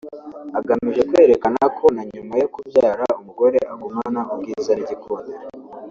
agamije kwerekana ko na nyuma yo kubyara umugore agumana ubwiza n’igikundiro